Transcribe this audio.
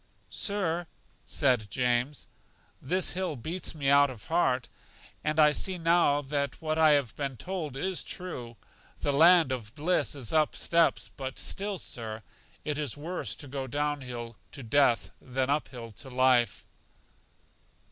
Sir, said James, this hill beats me out of heart! And I see now that what I have been told is true; the land of bliss is up steps; but still, Sir, it is worse to go down hill to death than up hill to life.